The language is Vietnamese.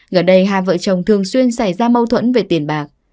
gần đây hai vợ chồng thường xuyên xảy ra mâu thuẫn về tiền bạc